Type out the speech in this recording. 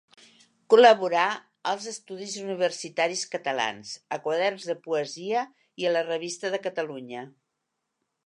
Col·laborà als Estudis Universitaris Catalans, a Quaderns de Poesia i a la Revista de Catalunya.